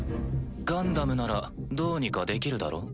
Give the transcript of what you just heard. ガンダムならどうにかできるだろ？